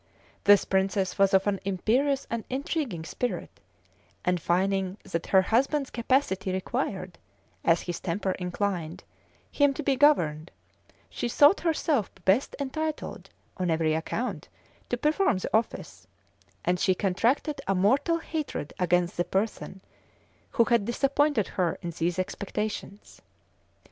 This princess was of an imperious and intriguing spirit; and finding that her husband's capacity required, as his temper inclined, him to be governed, she thought herself best entitled, on every account, to perform the office, and she contracted a mortal hatred against the person who had disappointed her in these expectations.